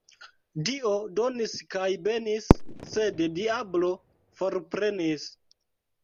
Dio donis kaj benis, sed diablo forprenis.